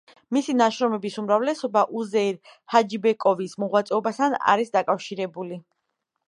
მისი ნაშრომების უმრავლესობა უზეირ ჰაჯიბეკოვის მოღვაწეობასთან არის დაკავშირებული.